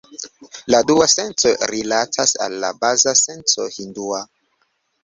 La dua senco rilatas al la baza senco hindua.